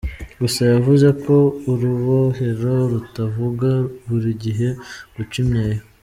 Gusa yavuze ko urubohero rutavuga buri gihe guca imyeyo.